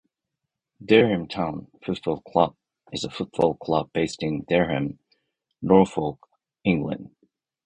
Dereham Town Football Club is a football club based in Dereham, Norfolk, England.